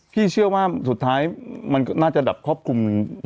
พี่เชื่อว่าสุดท้ายมันก็น่าจะแบบครอบคลุม